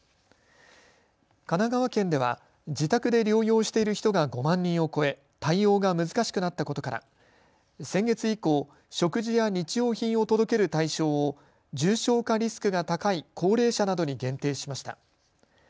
神奈川県では自宅で療養している人が５万人を超え対応が難しくなったことから先月以降、食事や日用品を届ける対象を重症化リスクが高い高齢者などに限定しました。